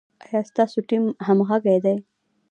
ایا ستاسو ټیم همغږی دی؟